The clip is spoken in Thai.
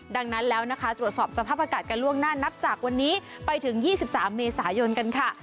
ดังนั้นแล้วนะคะตรวจสอบสภาพอากาศกันล่วงหน้านับจากวันนี้ไปถึง๒๓เมษายนกันค่ะ